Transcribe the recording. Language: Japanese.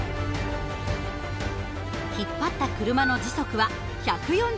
引っ張った車の時速は１４０ｋｍ。